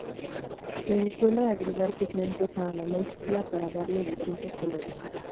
Se le suele agregar pigmentos a la mezcla para darle distintos colores.